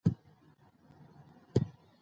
عامه سرچینې د ساتنې اړتیا لري.